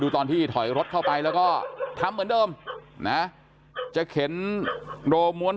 ตอนที่ถอยรถเข้าไปแล้วก็ทำเหมือนเดิมนะจะเข็นโดรม้วน